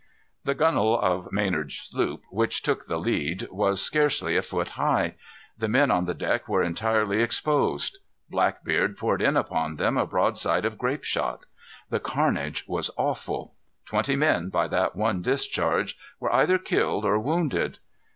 The gunwale of Maynard's sloop, which took the lead, was scarcely a foot high. The men on the deck were entirely exposed. Blackbeard poured in upon them a broadside of grape shot. The carnage was awful. Twenty men, by that one discharge, were either killed or wounded.